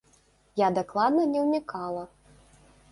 Я дакладна не ўнікала.